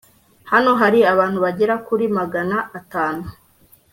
Hano hari abantu bagera kuri magana atanu